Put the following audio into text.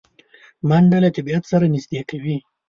منډه له طبیعت سره نږدې کوي